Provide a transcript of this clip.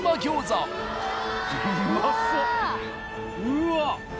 うわっ！